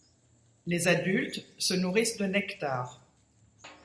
Les adultes se nourrissent de nectar.